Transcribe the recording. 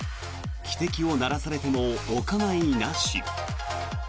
汽笛を鳴らされてもお構いなし。